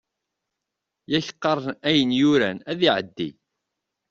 Yak qqaren ayen yuran ad iɛeddi.